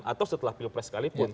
atau setelah pilpres sekalipun